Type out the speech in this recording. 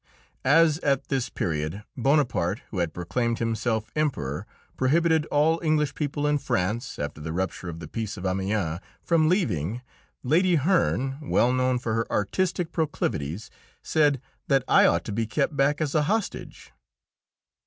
As at this period Bonaparte, who had proclaimed himself Emperor, prohibited all English people in France, after the rupture of the Peace of Amiens, from leaving, Lady Herne, well known for her artistic proclivities, said that I ought to be kept back as a hostage.